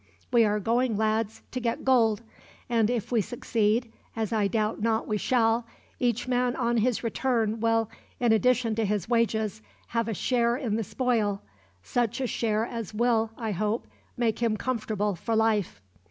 We are going, lads, to get gold; and if we succeed, as I doubt not we shall, each man on his return will, in addition to his wages, have a share in the spoil such a share as will, I hope, make him comfortable for life."